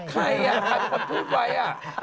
ใครอ่ะมันพูดไว้อ่ะ